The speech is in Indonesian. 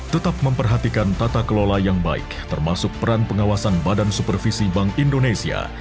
tetap memperhatikan tata kelola yang baik termasuk peran pengawasan badan supervisi bank indonesia